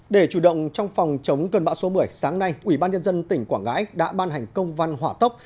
để chủ động trong phòng chống cơn bão số một mươi sáng nay ubnd tỉnh quảng ngãi đã ban hành công văn hỏa tốc